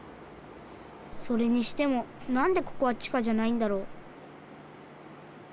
それにしてもなんでここは地下じゃないんだろう？